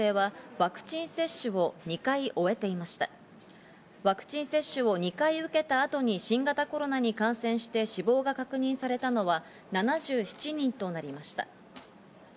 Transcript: ワクチン接種を２回受けた後に新型コロナに感染して死亡が確認されたのは７７人となりました。